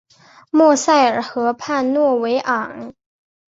莫塞尔河畔诺韦昂。